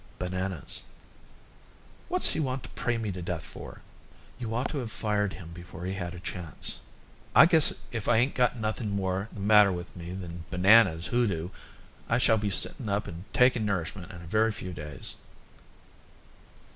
"Bananas." "What's he want to pray me to death for?" "You ought to have fired him before he had a chance." "I guess if I ain't got nothing more the matter with me than Bananas' hoodoo I shall be sitting up and taking nourishment in a very few days."